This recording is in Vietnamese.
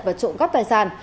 và trộm cắp tài sản